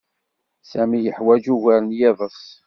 Sami yeḥwaj ugar n yiḍes.